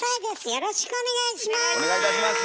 よろしくお願いします。